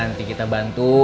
iya nanti kita bantu